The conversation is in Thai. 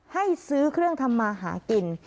ให้ซื้อเครื่องทำมาหากิน